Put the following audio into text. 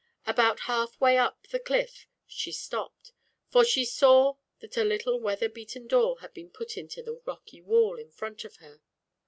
About half way up the cliff stopped, for she saw that a little weat] beaten door had been rocky wall in front of her.